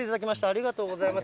ありがとうございます。